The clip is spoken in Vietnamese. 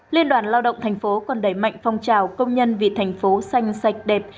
liên đoàn lao động thành phố còn đẩy mạnh phong trào công nhân vì thành phố xanh sạch đẹp